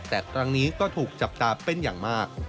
แต่ครั้งนี้ก็ถูกจับตาเป็นอย่างมาก